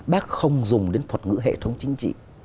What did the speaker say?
bác không dùng đến thuật ngữ hệ thống chính trị